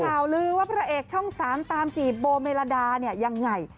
ข่าวลือว่าพระเอกช่อง๓ตามจีบโบเมลาดาเนี่ยยังไง